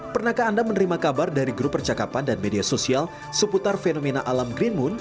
pernahkah anda menerima kabar dari grup percakapan dan media sosial seputar fenomena alam green moon